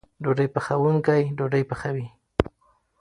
ډوډۍ پخوونکی ډوډۍ پخوي.